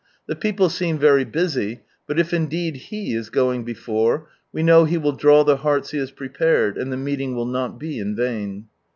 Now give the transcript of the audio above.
The people seem very busy, but if indeed He is "going before," we know He will draw the hearts He has prepared, and the meeting will not be in vain.